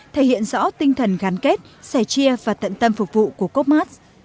thể hiện rõ tinh thần gắn kết sẻ chia và tận tâm phục vụ của cốc mắc